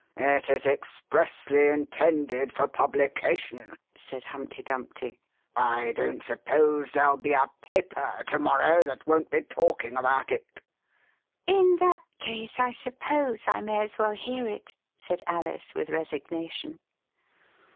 " It is expressly intended for publication, " said H umpty Dumpty ;" 1 don't suppose 43 The Westminster Alice there'll be a paper to morrow that won't be talking about it." "In that case I suppose I may as well hear it," said Alice, with resignation.